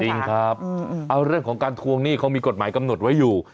จริงครับเอาเรื่องของการทวงหนี้เขามีกฎหมายกำหนดไว้อยู่